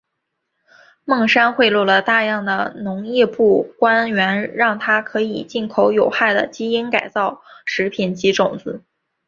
孟山都贿赂了大量的农业部官员让它可以进口有害的基因改造食品及种子。